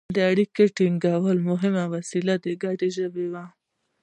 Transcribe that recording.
د اړیکو ټینګولو مهمه وسیله ګډه ژبه وه